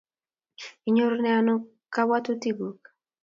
Inyorunen ano kabwatutiguuk?